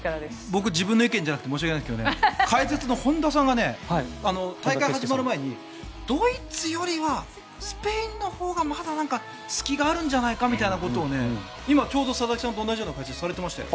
僕、自分の意見じゃなくて申し訳ないんですが解説の本田さんが大会始まる前にドイツよりはスペインのほうがまだなんか、隙があるんじゃないかみたいなことを今、ちょうど佐々木さんと同じような解説されてましたよ。